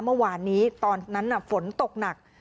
เมื่อวานนี้ตอนนั้นฝนตกหนัก